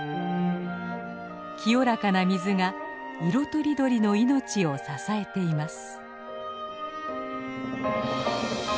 清らかな水が色とりどりの命を支えています。